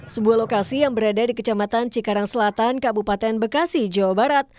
sebuah lokasi yang berada di kecamatan cikarang selatan kabupaten bekasi jawa barat